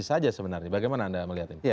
saja sebenarnya bagaimana anda melihat ini